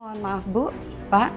mohon maaf bu pak